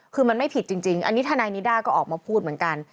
คือมันไม่ผิดจริงอันนี้ทนายนิด้าก็ออกมาพูดเหมือนกัน